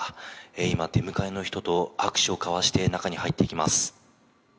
今、出迎えの人と握手を交わして、中に入っていきます。